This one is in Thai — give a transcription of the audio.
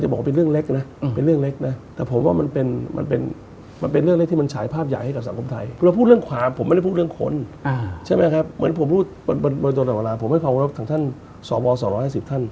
ตอนแต่เวลาผมให้ความรับทางท่านสอบวอร์๒๕๐ท่าน